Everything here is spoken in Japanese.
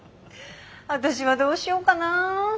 私はどうしようかなあ。